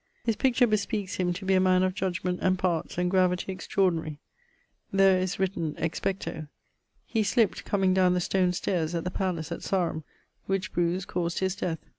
His picture bespeakes him to be a man of judgement, and parts, and gravity extraordinary. There is written Expecto. He slipt comeing downe the stone stayres at the palace at Sarum, which bruise caused his death.